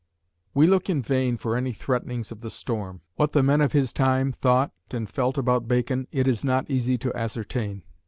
We look in vain for any threatenings of the storm. What the men of his time thought and felt about Bacon it is not easy to ascertain.